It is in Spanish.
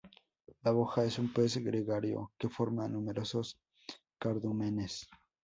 La boga es un pez gregario que forma numerosos cardúmenes.